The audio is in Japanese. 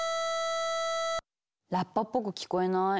ラッパっぽく聞こえない。